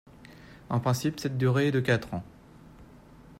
En principe, cette durée est de quatre ans.